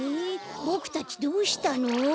ぼくたちどうしたの？